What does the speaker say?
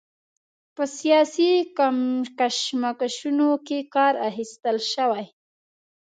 په سیاسي کشمکشونو کې کار اخیستل شوی.